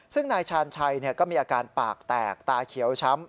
ซึ่งนายชาญชัยก็มีอาการปากแตกตาเขียวช้ำ